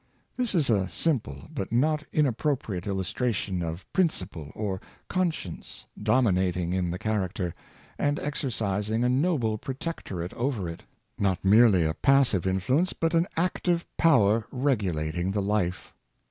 This is a simple but not Importance of Good Habits, 605 inappropriate illustration of principle, or conscience, dominating in the character, and exercising a noble protectorate over it; not merely a passive influence, but an active power regulating the life.